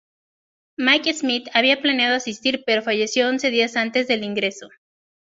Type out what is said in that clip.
Mike Smith había planeado asistir pero falleció once días antes del ingreso.